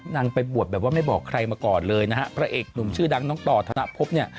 นางไปบวชแบบว่าไม่บอกใครมาก่อนเลยนะฮะพระเอกหนุ่มชื่อดังน้องต่อธนภพเนี่ย